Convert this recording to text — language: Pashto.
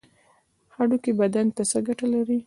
هډوکي بدن ته څه ګټه لري؟